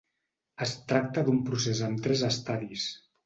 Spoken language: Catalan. Es tracta d'un procés amb tres estadis.